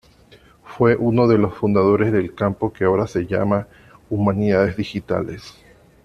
Fue uno de los fundadores del campo que ahora se llama humanidades digitales.